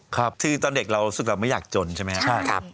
ครับคือตอนเด็กเรารู้สึกเราไม่อยากจนใช่ไหมครับ